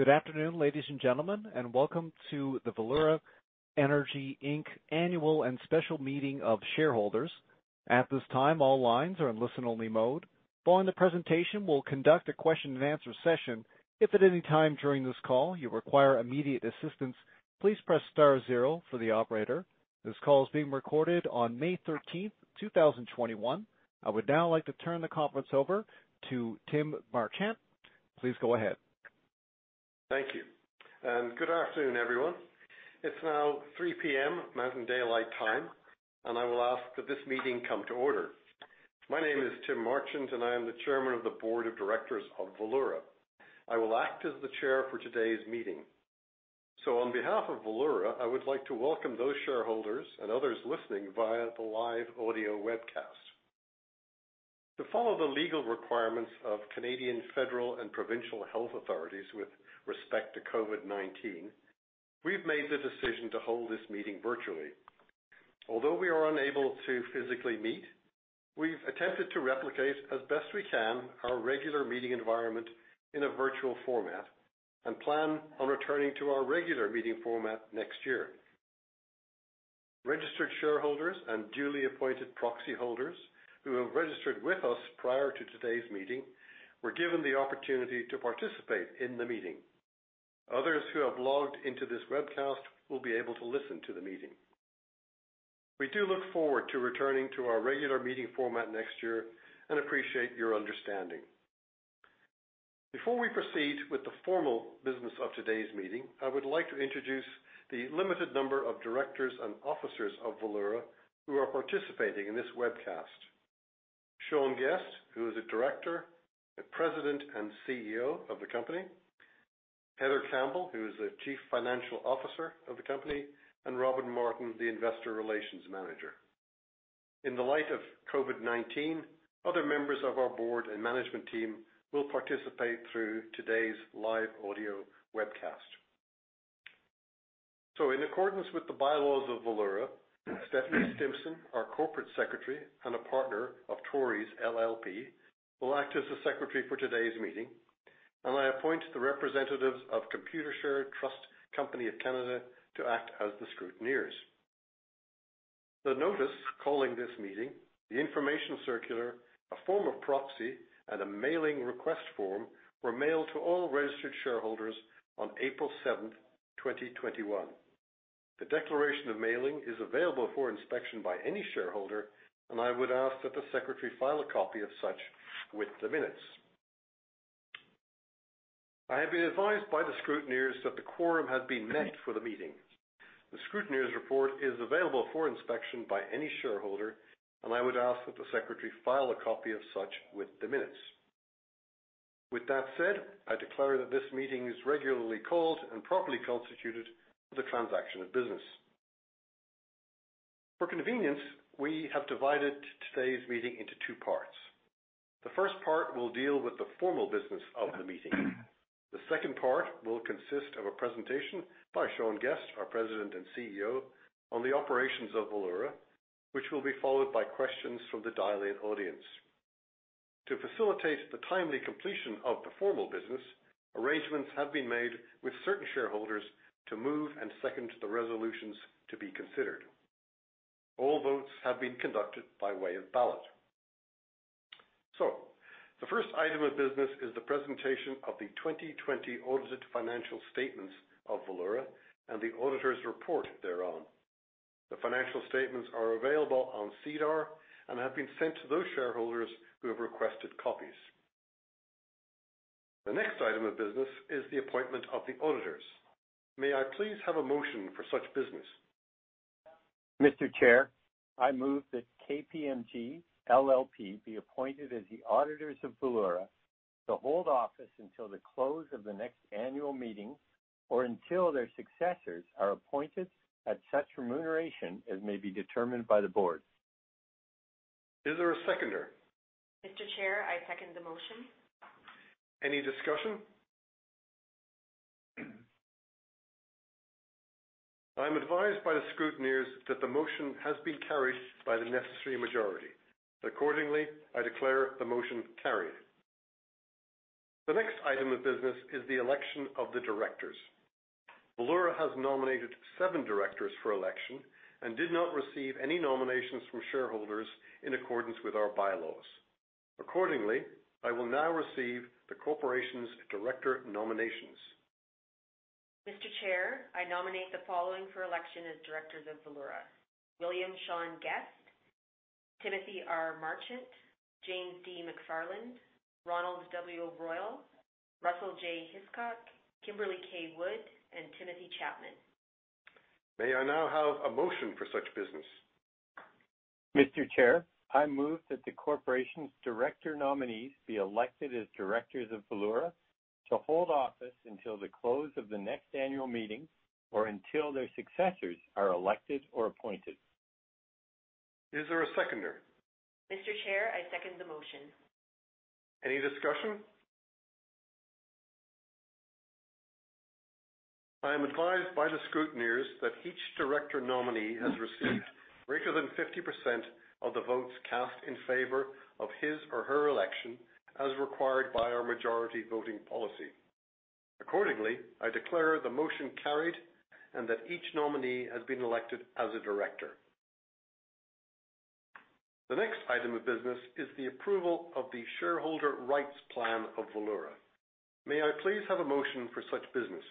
Good afternoon, ladies and gentlemen, and welcome to the Valeura Energy Inc. Annual and Special Meeting of Shareholders. At this time, all lines are in listen-only mode. Following the presentation, we'll conduct a question and answer session. If at any time during this call you require immediate assistance, please press star zero for the operator. This call is being recorded on May 13, 2021. I would now like to turn the conference over to Tim Marchant. Please go ahead. Thank you. Good afternoon, everyone. It's now 3:00 P.M. Mountain Daylight Time. I will ask that this meeting come to order. My name is Tim Marchant. I am the Chairman of the Board of Directors of Valeura. I will act as the Chair for today's meeting. On behalf of Valeura, I would like to welcome those shareholders and others listening via the live audio webcast. To follow the legal requirements of Canadian federal and provincial health authorities with respect to COVID-19. We've made the decision to hold this meeting virtually. Although we are unable to physically meet, we've attempted to replicate as best we can our regular meeting environment in a virtual format and plan on returning to our regular meeting format next year. Registered shareholders and duly appointed proxy holders who have registered with us prior to today's meeting were given the opportunity to participate in the meeting. Others who have logged into this webcast will be able to listen to the meeting. We do look forward to returning to our regular meeting format next year and appreciate your understanding. Before we proceed with the formal business of today's meeting, I would like to introduce the limited number of Directors and Officers of Valeura who are participating in this webcast. Sean Guest, who is a Director and President and CEO of the company, Heather Campbell, who is the Chief Financial Officer of the company, and Robin Martin, the Investor Relations Manager. In the light of COVID-19, other members of our Board and management team will participate through today's live audio webcast. In accordance with the bylaws of Valeura, Stephanie Stimpson, our Corporate Secretary and a Partner of Torys LLP, will act as the Secretary for today's meeting, and I appoint the representatives of Computershare Trust Company of Canada to act as the scrutineers. The notice calling this meeting, the information circular, a form of proxy, and a mailing request form were mailed to all registered shareholders on April 7, 2021. The declaration of mailing is available for inspection by any shareholder, and I would ask that the Secretary file a copy of such with the minutes. I have been advised by the scrutineers that the quorum has been met for the meeting. The scrutineers' report is available for inspection by any shareholder, and I would ask that the Secretary file a copy of such with the minutes. With that said, I declare that this meeting is regularly called and properly constituted for the transaction of business. For convenience, we have divided today's meeting into two parts. The first part will deal with the formal business of the meeting. The second part will consist of a presentation by Sean Guest, our President and CEO, on the operations of Valeura, which will be followed by questions from the dial-in audience. To facilitate the timely completion of the formal business, arrangements have been made with certain shareholders to move and second the resolutions to be considered. All votes have been conducted by way of ballot. The first item of business is the presentation of the 2020 audited financial statements of Valeura and the auditors' report thereon. The financial statements are available on SEDAR and have been sent to those shareholders who have requested copies. The next item of business is the appointment of the Auditors. May I please have a motion for such business? Mr. Chair, I move that KPMG LLP be appointed as the Auditors of Valeura, to hold office until the close of the next Annual Meeting or until their successors are appointed at such remuneration as may be determined by the Board. Is there a seconder? Mr. Chair, I second the motion. Any discussion? I'm advised by the scrutineers that the motion has been carried by the necessary majority. Accordingly, I declare the motion carried. The next item of business is the election of the Directors. Valeura has nominated seven Directors for election and did not receive any nominations from shareholders in accordance with our bylaws. Accordingly, I will now receive the corporation's director nominations. Mr. Chair, I nominate the following for election as Directors of Valeura: William Sean Guest, Timothy R. Marchant, James D. McFarland, Ronald W. Royal, Russell J. Hiscock, Kimberley K. Wood, and Timothy Chapman. May I now have a motion for such business? Mr. Chair, I move that the corporation's director nominees be elected as Directors of Valeura to hold office until the close of the next Annual Meeting or until their successors are elected or appointed. Is there a seconder? Mr. Chair, I second the motion. Any discussion? I am advised by the scrutineers that each Director nominee has received greater than 50% of the votes cast in favor of his or her election, as required by our majority voting policy. Accordingly, I declare the motion carried and that each nominee has been elected as a Director. The next item of business is the approval of the shareholder rights plan of Valeura. May I please have a motion for such business?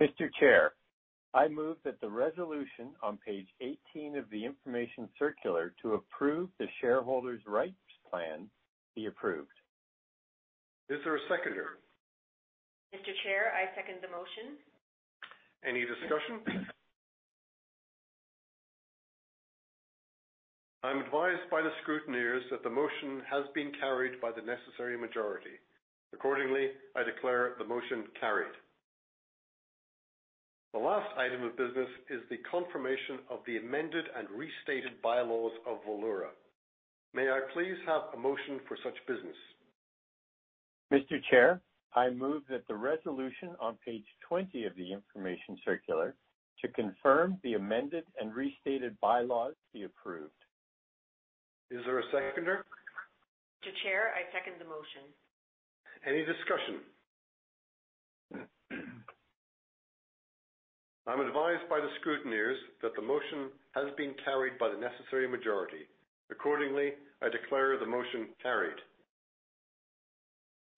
Mr. Chair, I move that the resolution on page 18 of the information circular to approve the shareholders' rights plan be approved. Is there a seconder? Mr. Chair, I second the motion. Any discussion? I'm advised by the scrutineers that the motion has been carried by the necessary majority. Accordingly, I declare the motion carried. The last item of business is the confirmation of the amended and restated bylaws of Valeura. May I please have a motion for such business? Mr. Chair, I move that the resolution on page 20 of the information circular to confirm the amended and restated bylaws be approved. Is there a seconder? Mr. Chair, I second the motion. Any discussion? I'm advised by the scrutineers that the motion has been carried by the necessary majority. Accordingly, I declare the motion carried.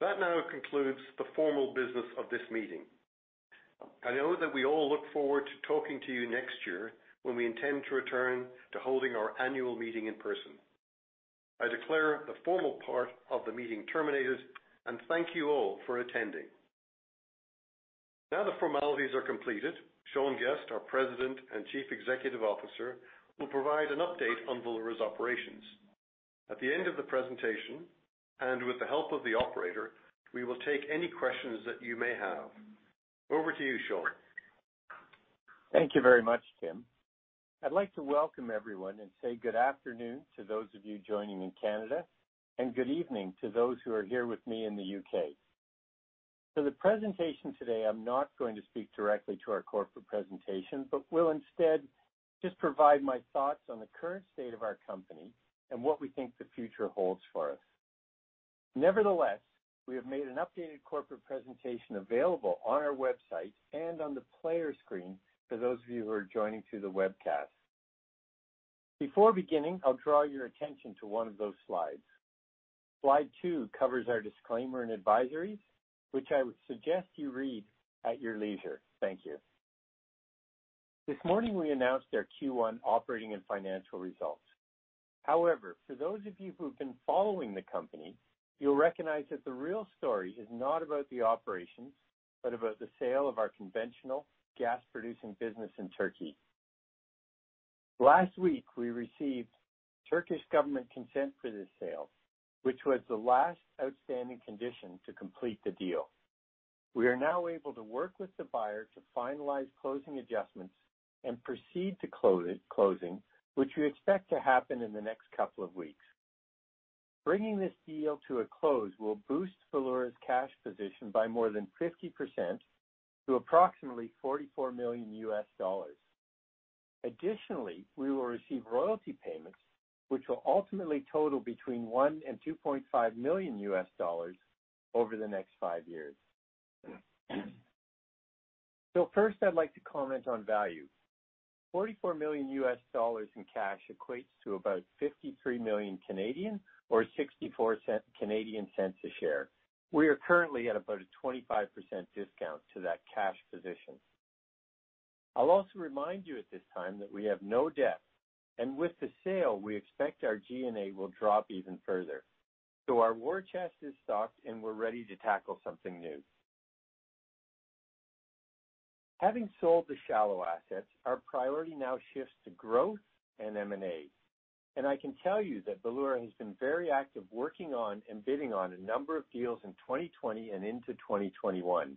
That now concludes the formal business of this meeting. I know that we all look forward to talking to you next year when we intend to return to holding our Annual Meeting in person. I declare the formal part of the meeting terminated, and thank you all for attending. Now the formalities are completed, Sean Guest, our President and Chief Executive Officer, will provide an update on Valeura's operations. At the end of the presentation, and with the help of the Operator, we will take any questions that you may have. Over to you, Sean. Thank you very much, Tim. I'd like to welcome everyone and say good afternoon to those of you joining in Canada, and good evening to those who are here with me in the U.K. For the presentation today, I'm not going to speak directly to our corporate presentation, but will instead just provide my thoughts on the current state of our company and what we think the future holds for us. Nevertheless, we have made an updated corporate presentation available on our website and on the player screen for those of you who are joining through the webcast. Before beginning, I'll draw your attention to one of those slides. Slide two covers our disclaimer and advisories, which I would suggest you read at your leisure. Thank you. This morning, we announced our Q1 operating and financial results. However, for those of you who've been following the company, you'll recognize that the real story is not about the operations, but about the sale of our conventional gas-producing business in Turkey. Last week, we received Turkish government consent for this sale, which was the last outstanding condition to complete the deal. We are now able to work with the buyer to finalize closing adjustments and proceed to closing, which we expect to happen in the next couple of weeks. Bringing this deal to a close will boost Valeura's cash position by more than 50% to approximately $44 million. Additionally, we will receive royalty payments, which will ultimately total between $1 million and $2.5 million over the next five years. First, I'd like to comment on value. $44 million in cash equates to about 53 million or 0.64 a share. We are currently at about a 25% discount to that cash position. I'll also remind you at this time that we have no debt. With the sale, we expect our G&A will drop even further. Our war chest is stocked, and we're ready to tackle something new. Having sold the shallow assets, our priority now shifts to growth and M&A. I can tell you that Valeura has been very active working on and bidding on a number of deals in 2020 and into 2021.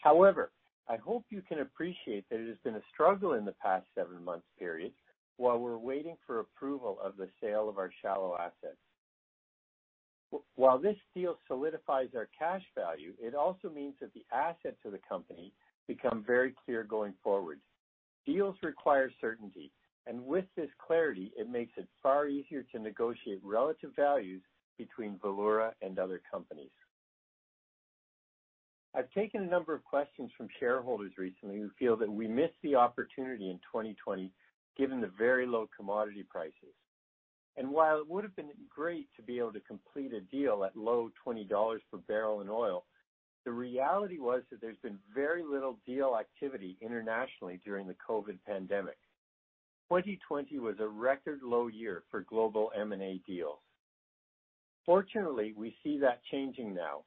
However, I hope you can appreciate that it has been a struggle in the past seven months period while we're waiting for approval of the sale of our shallow assets. While this deal solidifies our cash value, it also means that the assets of the company become very clear going forward. Deals require certainty, and with this clarity, it makes it far easier to negotiate relative values between Valeura and other companies. I've taken a number of questions from shareholders recently who feel that we missed the opportunity in 2020 given the very low commodity prices. While it would've been great to be able to complete a deal at low $20/bbl in oil, the reality was that there's been very little deal activity internationally during the COVID pandemic. 2020 was a record low year for global M&A deals. Fortunately, we see that changing now,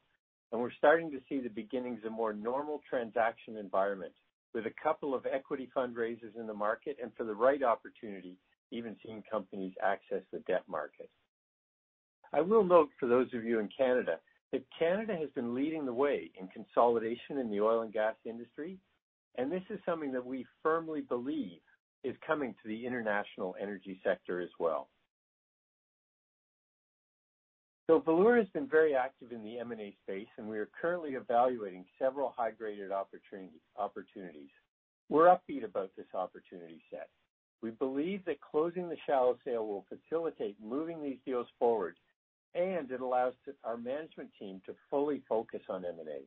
and we're starting to see the beginnings of more normal transaction environment with a couple of equity fundraisers in the market, and for the right opportunity, even seeing companies access the debt market. I will note for those of you in Canada, that Canada has been leading the way in consolidation in the oil and gas industry. And this is something that we firmly believe is coming to the international energy sector as well. Valeura has been very active in the M&A space, and we are currently evaluating several high-graded opportunities. We're upbeat about this opportunity set. We believe that closing the shallow sale will facilitate moving these deals forward, and it allows our management team to fully focus on M&A.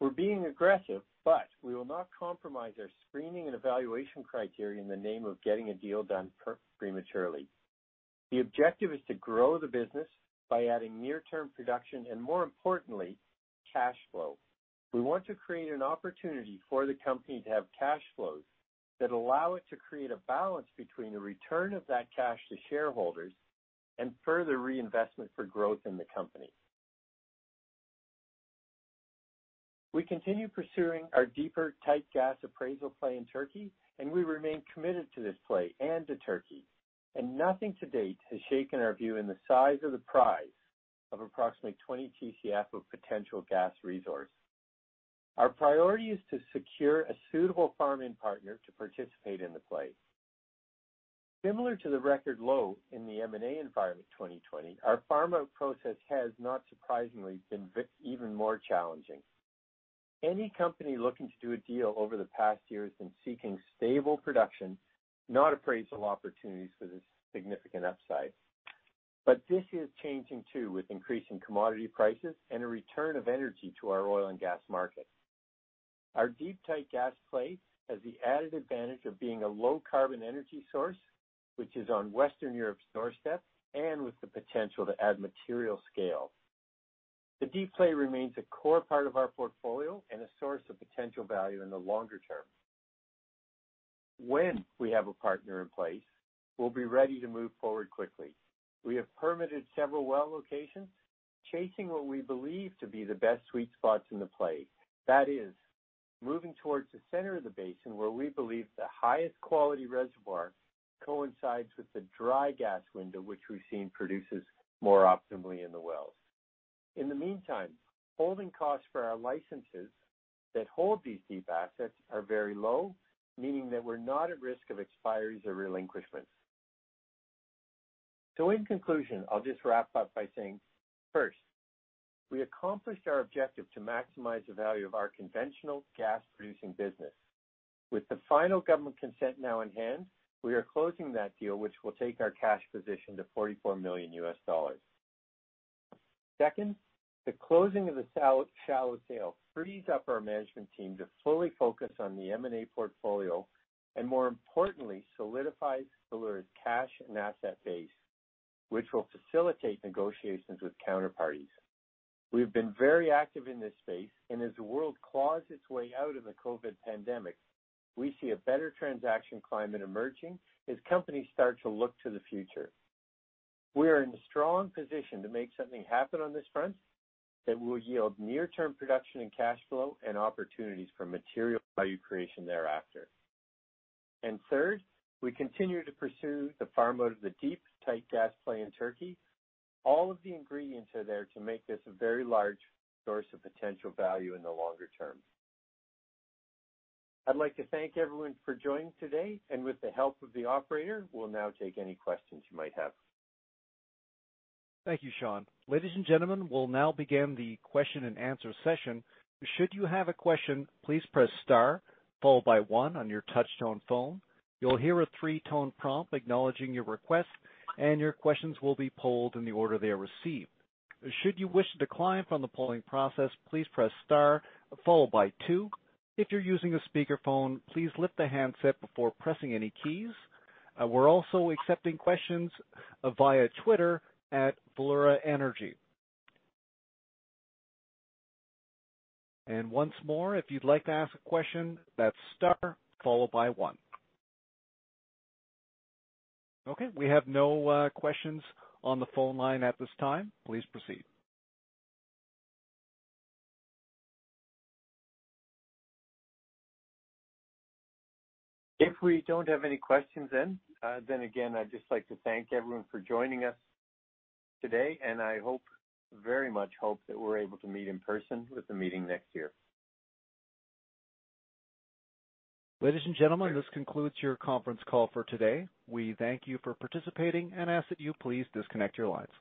We're being aggressive, but we will not compromise our screening and evaluation criteria in the name of getting a deal done prematurely. The objective is to grow the business by adding near-term production and, more importantly, cash flow. We want to create an opportunity for the company to have cash flows that allow it to create a balance between the return of that cash to shareholders and further reinvestment for growth in the company. We continue pursuing our deeper tight gas appraisal play in Turkey, and we remain committed to this play and to Turkey. Nothing to date has shaken our view in the size of the prize of approximately 20 Tcf of potential gas resource. Our priority is to secure a suitable farm-in partner to participate in the play. Similar to the record low in the M&A environment 2020, our farm-out process has, not surprisingly, been even more challenging. Any company looking to do a deal over the past year has been seeking stable production, not appraisal opportunities with a significant upside. This is changing too, with increasing commodity prices and a return of energy to our oil and gas market. Our deep tight gas play has the added advantage of being a low-carbon energy source, which is on Western Europe's doorstep and with the potential to add material scale. The deep play remains a core part of our portfolio and a source of potential value in the longer term. When we have a partner in place, we'll be ready to move forward quickly. We have permitted several well locations, chasing what we believe to be the best sweet spots in the play. That is, moving towards the center of the basin, where we believe the highest quality reservoir coincides with the dry gas window, which we've seen produces more optimally in the wells. In the meantime, holding costs for our licenses that hold these deep assets are very low, meaning that we're not at risk of expiries or relinquishments. In conclusion, I'll just wrap up by saying, first, we accomplished our objective to maximize the value of our conventional gas-producing business. With the final government consent now in hand, we are closing that deal, which will take our cash position to $44 million. Second, the closing of the shallow sale frees up our management team to fully focus on the M&A portfolio and, more importantly, solidifies Valeura's cash and asset base, which will facilitate negotiations with counterparties. We've been very active in this space, and as the world claws its way out of the COVID pandemic, we see a better transaction climate emerging as companies start to look to the future. We are in a strong position to make something happen on this front that will yield near-term production and cash flow and opportunities for material value creation thereafter. Third, we continue to pursue the farm-out of the deep tight gas play in Turkey. All of the ingredients are there to make this a very large source of potential value in the longer term. I'd like to thank everyone for joining today. With the help of the Operator, we'll now take any questions you might have. Thank you, Sean. Ladies and gentlemen, we'll now begin the question and answer session. Should you have a question, please press star, followed by one on your touch-tone phone. You'll hear a three-tone prompt acknowledging your request, and your questions will be polled in the order they are received. Should you wish to decline from the polling process, please press star followed by two. If you're using a speakerphone, please lift the handset before pressing any keys. We're also accepting questions via Twitter at Valeura Energy. Once more, if you'd like to ask a question, that's star followed by one. Okay, we have no questions on the phone line at this time. Please proceed. If we don't have any questions in, then again, I'd just like to thank everyone for joining us today, and I very much hope that we're able to meet in person with the meeting next year. Ladies and gentlemen, this concludes your conference call for today. We thank you for participating and ask that you please disconnect your lines.